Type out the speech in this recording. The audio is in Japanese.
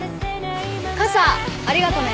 傘ありがとね。